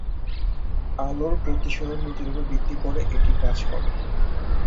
আলোর প্রতিসরণ নীতির উপর ভিত্তি করে এটি কাজ করে।